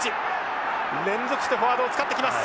連続してフォワードを使ってきます。